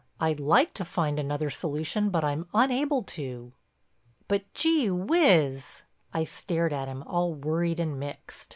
"I'd like to find another solution but I'm unable to." "But, gee whizz!" I stared at him, all worried and mixed.